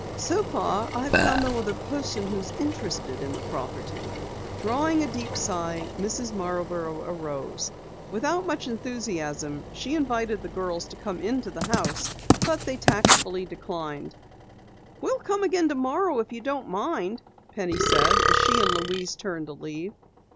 So far I have found no other person who is interested in the property." Drawing a deep sigh, Mrs. Marborough arose. Without much enthusiasm she invited the girls to come with her into the house, but they tactfully declined. "We'll come again tomorrow, if you don't mind," Penny said as she and Louise turned to leave.